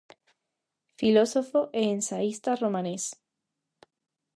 Filósofo e ensaísta romanés.